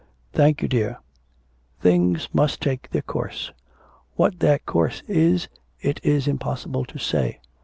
'Thank you, dear. Things must take their course. What that course is it is impossible to say.